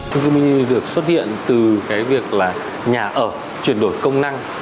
trung cư mini được xuất hiện từ cái việc là nhà ở chuyển đổi công năng